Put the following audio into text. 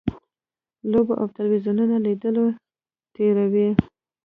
لوبو او تلویزیون لیدلو تېروي.